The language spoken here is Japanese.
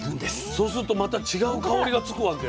そうするとまた違う香りがつくわけ？